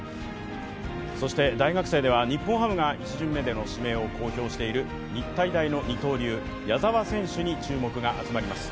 そして大学生では日本ハムが１巡目での指名を公表している日体大の二刀流・矢澤選手に注目が集まります。